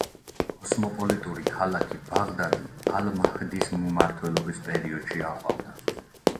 კოსმოპოლიტური ქალაქი ბაღდადი ალ-მაჰდის მმართველობის პერიოდში აყვავდა.